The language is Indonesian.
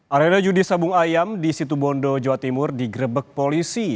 arena judi sabung ayam di situ bondo jawa timur digrebek polisi